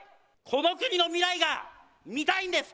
この国の未来が見たいんです。